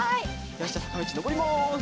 よしじゃあさかみちのぼります。